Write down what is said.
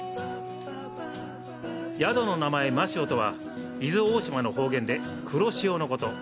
宿の名前「マシオ」とは伊豆大島の方言で「黒潮」のこと。